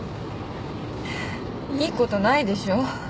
いいことないでしょ